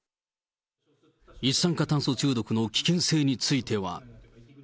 一酸化炭素中毒の危険性については。